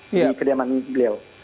di kediaman beliau